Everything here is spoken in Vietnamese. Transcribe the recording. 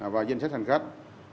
và danh sách hành khách